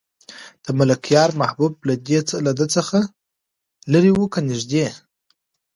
د ملکیار محبوب له ده څخه لرې و که نږدې؟